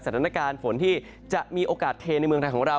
สถานการณ์ฝนที่จะมีโอกาสเทในเมืองไทยของเรา